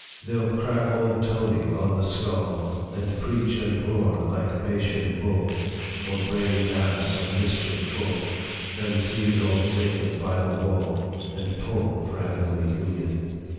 They '11 crack old Tony on the skull, And preach and roar like Bashan bull, Or braying ass, of mischief full, Then seize old Jacob by the wool, And pull for heavenly union.